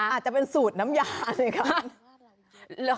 อาจจะเป็นสูตรน้ำยาสิคะ